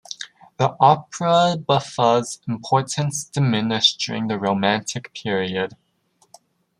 The opera buffa's importance diminished during the Romantic Period.